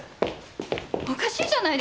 おかしいじゃないですか？